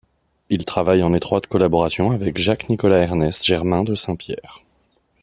Il travaille en étroite collaboration avec Jacques Nicolas Ernest Germain de Saint-Pierre.